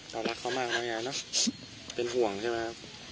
คุณตอบลักเขามากหน่อยเนอะเป็นห่วงใช่มั้ยครับ